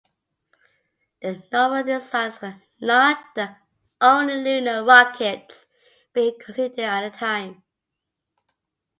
The Nova designs were not the only lunar rockets being considered at the time.